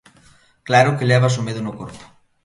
Claro que levas o medo no corpo.